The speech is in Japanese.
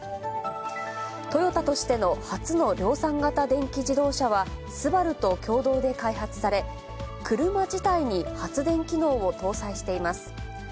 トヨタとしての初の量産型電気自動車は、ＳＵＢＡＲＵと共同で開発され、車自体に発電機能を搭載しています。